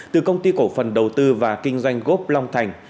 từ công ty cổ phần đầu tư và kinh doanh gốc long thành